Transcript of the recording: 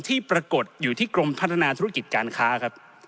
ที่ปรากฏอยู่ที่กรมพัฒนาธุรกิจการค้าครับ